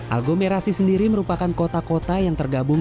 aglomerasi sendiri merupakan kota kota yang tergabung